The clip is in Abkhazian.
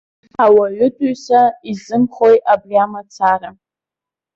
Ауаҩытәыҩса изымхои абри амацара!